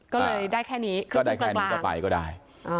ก็เลยได้แค่นี้ก็ได้แค่นี้ก็ไปก็ได้